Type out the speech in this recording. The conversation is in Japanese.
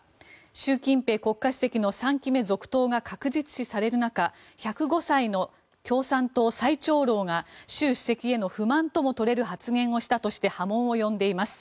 習近平国家主席の３期目続投が確実視される中１０５歳の共産党最長老が習主席への不満とも取れる発言をしたとして波紋を呼んでいます。